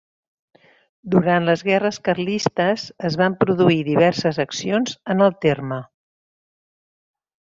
Durant les guerres carlistes es van produir diverses accions en el terme.